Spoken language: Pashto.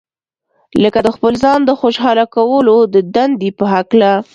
لکه د خپل ځان د خوشاله کولو د دندې په هکله.